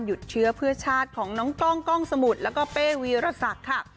หยุดเชื้อเพื่อชาติของน้องกล้องกล้องสมุทรแล้วก็เป้วีรสักค่ะ